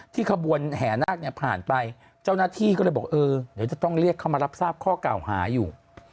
ที่กระบวนแห่นากผ่านไปเจ้านาทีก็เลยบอกเดี๋ยวจะต้องเรียกเข้ามารับทราบข้อเก่าหาอยู่